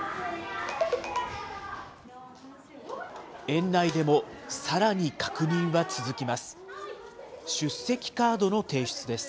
園内でもさらに確認は続きます。